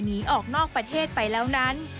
หนีออกนอกประเทศไปแล้วนั้น